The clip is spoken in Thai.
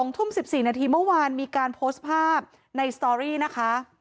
๒ทุ่ม๑๔นาทีเมื่อวานมีการโพสต์ภาพในสตอรี่นะคะ